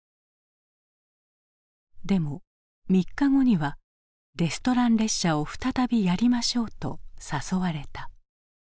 でも３日後には「レストラン列車を再びやりましょう」と誘われた。